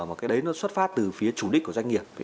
mà cái đấy nó xuất phát từ phía chủ đích của doanh nghiệp